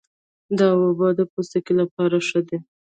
دا اوبه د پوستکي لپاره ښې دي.